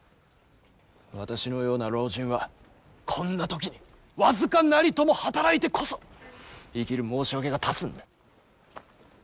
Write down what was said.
私のような老人はこんな時に僅かなりとも働いてこそ生きる申し訳が立つんだ。